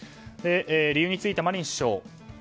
理由についてはマリン首相